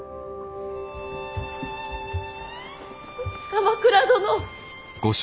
鎌倉殿。